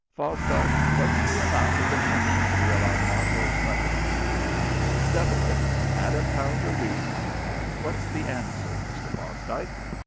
Fosdike, what's the amount of the pension we allow Martlow's mother?" "Double it, add a pound a week, and what's the answer, Mr. Fosdike?"